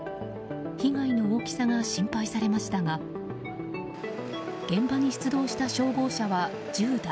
被害の大きさが心配されましたが現場に出動した消防車は１０台。